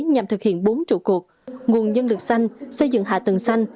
nhằm thực hiện bốn trụ cột nguồn nhân lực xanh xây dựng hạ tầng xanh